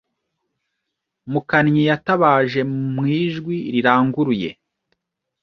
Mukannyi yatabaje mu ijwi riranguruye